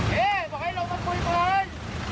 เฮ้ยเอาไว้เร็วมาคุยก่อน